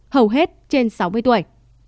hầu hết trên sáu mươi tuổi